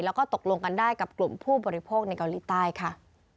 แล้วก็ตกลงกันได้กับกลุ่มผู้บริโภคในเกาหลีใต้ค่ะ